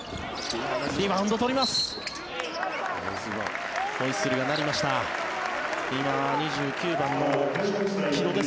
リバウンド、取ります。